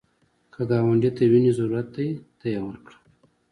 که ګاونډي ته وینې ضرورت دی، ته یې ورکړه